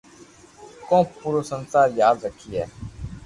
ڪو پورو سنسار ياد رکئي